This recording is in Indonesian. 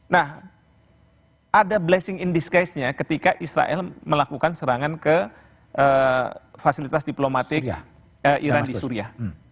nah ada blessing in disguise nya ketika israel melakukan serangan ke fasilitas diplomatik iran di suria